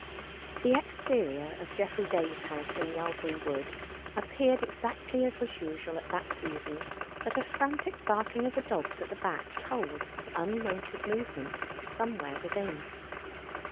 The exterior of Geoffrey Day's house in Yalbury Wood appeared exactly as was usual at that season, but a frantic barking of the dogs at the back told of unwonted movements somewhere within.